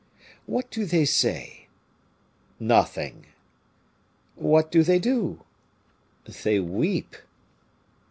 "What do they say?" "Nothing." "What do they do?" "They weep."